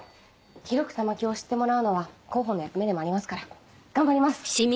広く玉響を知ってもらうのは広報の役目でもありますから頑張ります！